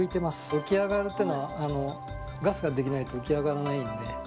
浮き上がるっていうのは、ガスが出来ないと浮き上がらないんで。